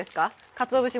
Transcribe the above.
かつお節